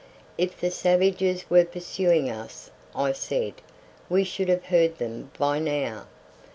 "If the savages were pursuing us," I said, "we should have heard them by now."